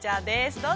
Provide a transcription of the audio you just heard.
どうぞ。